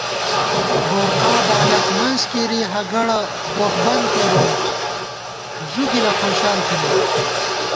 بورقا بالخ منزکېری ہگَڑہ بوخ بند کېرون زُوگِلہ خوشال تھنَئیت